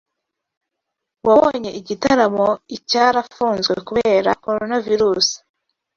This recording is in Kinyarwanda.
Wabonye igitaramo i cyarafuzwe kubera Coronavirus